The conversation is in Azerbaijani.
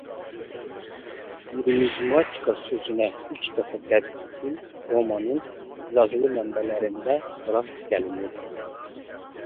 Numizmatika sözünə ilk dəfə qədim Romanın yazılı mənbələrində rast gəlinir.